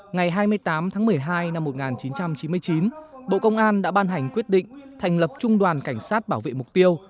ngày hai mươi tám tháng một mươi hai năm một nghìn chín trăm chín mươi chín bộ công an đã ban hành quyết định thành lập trung đoàn cảnh sát bảo vệ mục tiêu